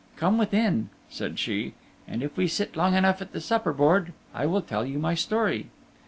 Come within," said she, "and if we sit long enough at the supper board I will tell you my story."